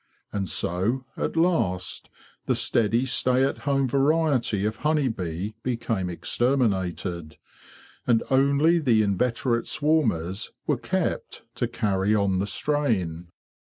And so, at last, the steady, stay at home variety of honey bee became exterminated, and only the inveterate swarmers were kept to carry on the strain."